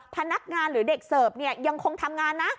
พนักงานหรือเด็กเสิร์ฟเนี่ยยังคงทำงานนะ